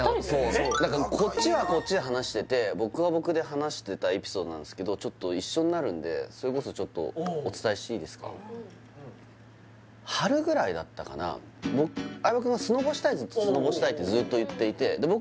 何かこっちはこっちで話してて僕は僕で話してたエピソードなんですが一緒になるんでそれこそちょっとお伝えしていいですか春ぐらいだったかな相葉くんはスノボしたいってずっと言っていて僕